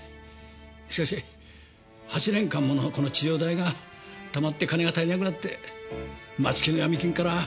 しかし８年間もの治療代がたまって金が足りなくなって松木のヤミ金から金借りて。